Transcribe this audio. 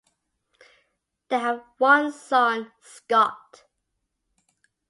They have one son, Scott.